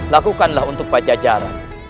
lakukanlah untuk pak jajaran